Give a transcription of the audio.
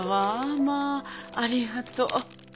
まあありがとう。